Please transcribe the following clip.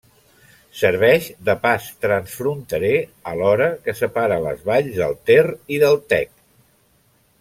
Serveix de pas transfronterer, alhora que separa les valls del Ter i del Tec.